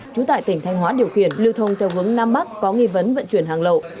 trú tại tỉnh thanh hóa điều khiển lưu thông theo hướng nam bắc có nghi vấn vận chuyển hàng lậu